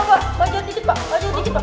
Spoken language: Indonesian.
banjir dikit pak